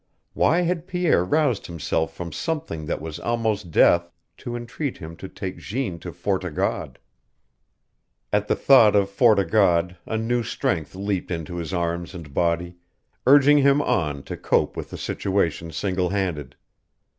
Why had Pierre roused himself from something that was almost death to entreat him to take Jeanne to Fort o' God? At the thought of Fort o' God a new strength leaped into his arms and body, urging him on to cope with the situation single handed.